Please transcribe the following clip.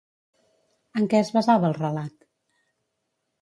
En què es basava el relat?